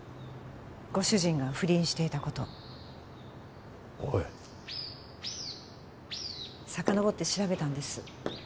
ご主人が不倫していたことおいさかのぼって調べたんです